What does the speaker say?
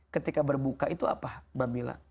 ketika berbuka itu apa